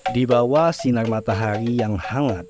di bawah sinar matahari yang hangat